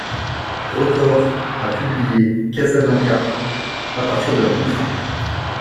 Records a publié Casablanca à partir de leur contrat.